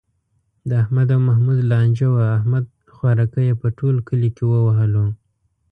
د احمد او محمود لانجه وه، احمد خوارکی یې په ټول کلي و وهلو.